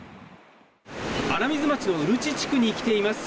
穴水町の宇留地地区に来ています。